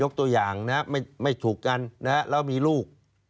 ตัวอย่างนะไม่ถูกกันแล้วมีลูก